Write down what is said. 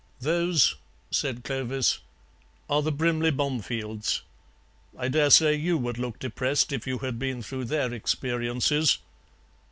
"Those," said Clovis, "are the Brimley Bomefields. I dare say you would look depressed if you had been through their experiences."